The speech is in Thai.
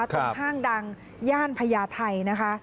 ห้างดังย่านพญาไทยนะคะ